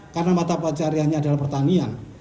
karena mata pacarannya adalah pertanian